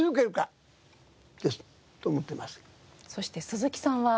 そして鈴木さんは。